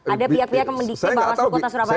ada pihak pihak yang mendikte bawaslu kota surabaya